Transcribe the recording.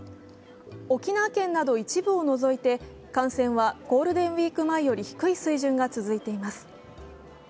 沖縄県など一部を除いて感染はゴールデンウイーク前より低い水準が続いています。